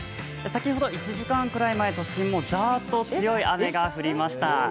先ほど１時間くらい前、都心もザーッと強い雨が降りました。